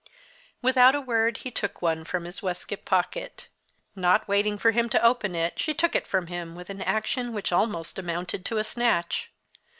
Without a word he took one from his waistcoat pocket. Not waiting for him to open it, she took it from him with an action which almost amounted to a snatch.